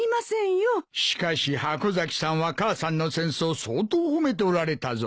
しかし箱崎さんは母さんのセンスを相当褒めておられたぞ。